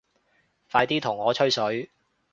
快啲同我吹水